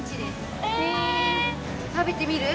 食べてみる？